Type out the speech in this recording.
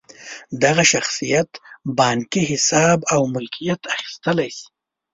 دغه شخصیت بانکي حساب او ملکیت اخیستلی شي.